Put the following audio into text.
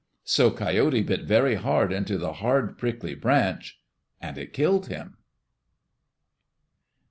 So Coyote bit very hard into the hard, prickly branch, and it killed him.